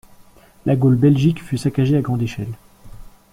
La Gaule belgique fut saccagée à grande échelle.